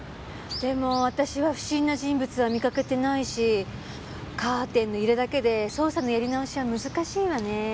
でも私は不審な人物は見かけてないしカーテンの揺れだけで捜査のやり直しは難しいわね。